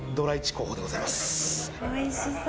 おいしそう。